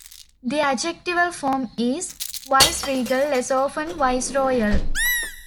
The adjectival form is viceregal, less often viceroyal.